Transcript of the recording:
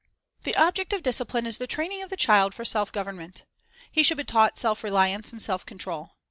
The object of discipline is the training of the child for self government. He should be taught self reliance and self control.